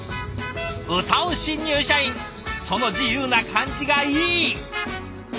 歌う新入社員その自由な感じがいい！